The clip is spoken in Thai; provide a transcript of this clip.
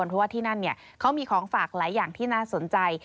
เพราะว่าที่นั่นเขามีของฝากหลายอย่างที่น่าสนใจ